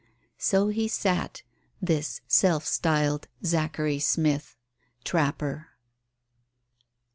So he sat, this self styled Zachary Smith, trapper.